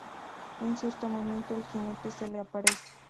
En cierto momento el Jinete se le aparece.